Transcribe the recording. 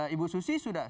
ibu susi sudah menanggulnya